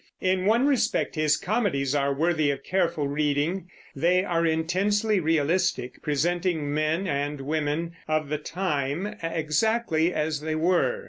In one respect his comedies are worthy of careful reading, they are intensely realistic, presenting men and women of the time exactly as they were.